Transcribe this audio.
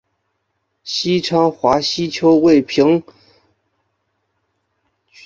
西昌华吸鳅为平鳍鳅科华吸鳅属的淡水鱼类。